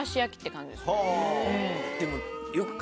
でも。